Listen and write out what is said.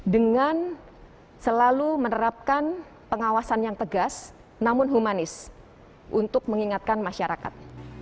dengan selalu menerapkan pengawasan yang tegas namun humanis untuk mengingatkan masyarakat